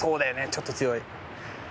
ちょっと強い。